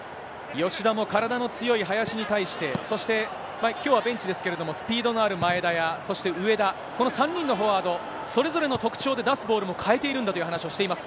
吉田も体の速い林に対して、そして、きょうはベンチですけれども、スピードのある前田や、そして上田、この３人のフォワード、それぞれの特徴で、出すボールも変えているんだという話もしています。